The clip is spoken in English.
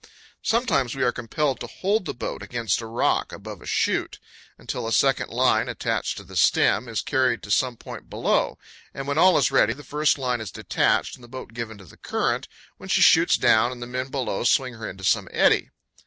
Sometimes we are compelled to hold the boat against a rock above a chute until a second line, attached to the stem, is carried to some point below, and when all is ready the first line is detached and the boat given to the current, when she shoots down and the men below swing her into some eddy.